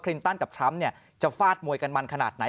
ลินตันกับทรัมป์จะฟาดมวยกันมันขนาดไหน